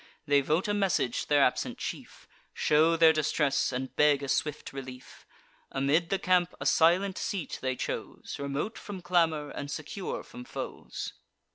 They vote a message to their absent chief, Shew their distress, and beg a swift relief. Amid the camp a silent seat they chose, Remote from clamour, and secure from foes.